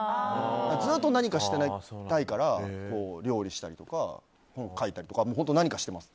ずっと何かしていたいから料理をしたりとか本を書いたりとか本当、常に何かしてます。